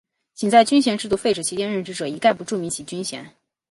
仅在军衔制废止期间任职者一概不注明其军衔。